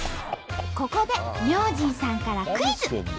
ここで明神さんからクイズ！